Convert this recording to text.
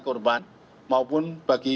korban maupun bagi